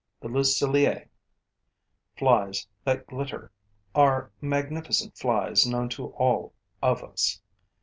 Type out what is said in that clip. The Luciliae flies that glitter are magnificent flies known to all of us.